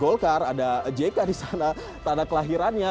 sulawesi ini memang basisnya golkar ada jk di sana tanda kelahirannya